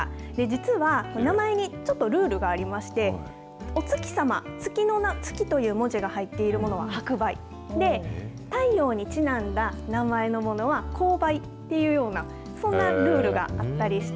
実は名前にちょっとルールがありまして、お月様、月という文字が入っているものは白梅、で、太陽にちなんだ名前のものは紅梅というような、そんなルールがあったりして。